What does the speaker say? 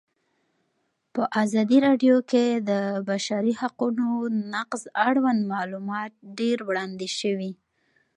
په ازادي راډیو کې د د بشري حقونو نقض اړوند معلومات ډېر وړاندې شوي.